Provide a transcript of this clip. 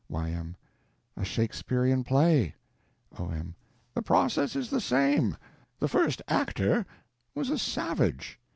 Y.M. A Shakespearean play? O.M. The process is the same. The first actor was a savage.